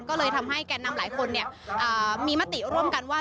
ก็เลยทำให้แก่นำหลายคนมีมติร่วมกันว่า